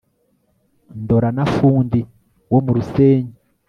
Ndora na Fundi wo mu Rusenyi